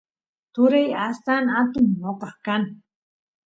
turay astan atun noqa kan